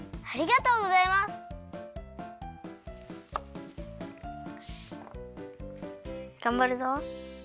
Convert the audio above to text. がんばるぞ。